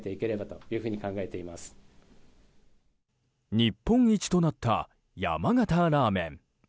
日本一となった山形ラーメン。